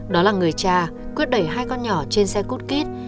đó là người cha quyết đẩy hai con nhỏ trên xe cút kít